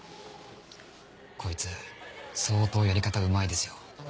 こいつ相当やり方うまいですよ。